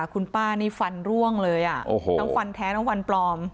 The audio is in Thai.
คุณป้านี่ฟันร่วงเลยทั้งฟันแท้ทั้งฟันปลอม